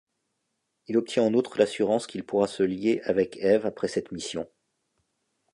Il obtient en outre l'assurance qu'il pourra se lier avec Eve après cette mission.